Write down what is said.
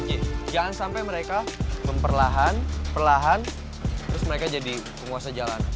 iya jangan sampai mereka memperlahan perlahan terus mereka jadi penguasa jalan